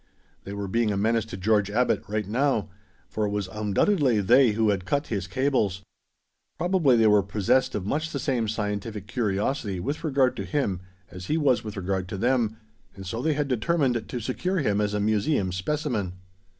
They were being a menace to George Abbot, right now, for it was undoubtedly they who had cut his cables. Probably they were possessed of much the same scientific curiosity with regard to him as he was with regard to them, and so they had determined to secure him as a museum specimen.